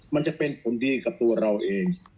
มันจะเป็นผลดีกับตัวเราเอง